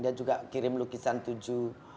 dia juga kirim lukisan tujuh